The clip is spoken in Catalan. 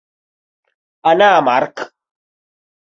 Anar a marc.